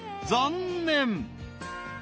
残念］